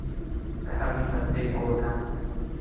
به حقیقت پی بردن